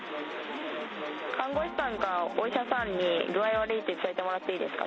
看護師さんかお医者さんに具合悪いって伝えてもらっていいですか？